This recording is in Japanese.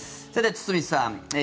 さて、堤さん